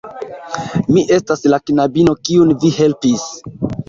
Mi estas la knabino kiun vi helpis